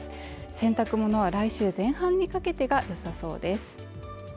洗濯物は来週前半にかけてが良さそうです。